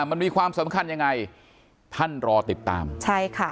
มันมีความสำคัญยังไงท่านรอติดตามใช่ค่ะ